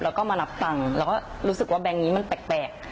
เราก็มานับตังค์เราก็รู้สึกว่าแบงค์นี้มันแปลกแปลก